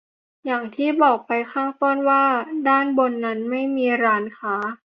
อย่างที่บอกไปข้างต้นว่าด้านบนนั้นไม่มีร้านค้า